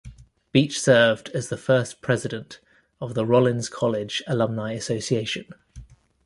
Beach served as the first president of the Rollins College Alumni Association.